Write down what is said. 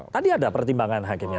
tadi ada pertimbangan hakimnya